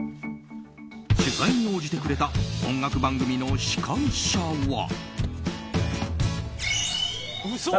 取材に応じてくれた音楽番組の司会者は。